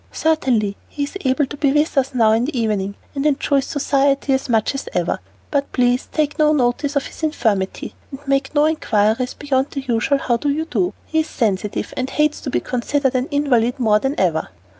"Certainly; he is able to be with us now in the evening, and enjoys society as much as ever. But please take no notice of his infirmity, and make no inquiries beyond the usual 'How do you do.' He is sensitive, and hates to be considered an invalid more than ever."